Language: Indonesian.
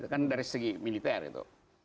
kan dari segi militer itu